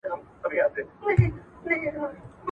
حلاله روزي پیدا کړئ.